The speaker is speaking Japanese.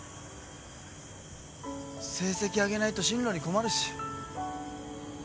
成績上げないと進路に困るし。